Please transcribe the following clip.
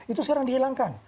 itu sekarang dihilangkan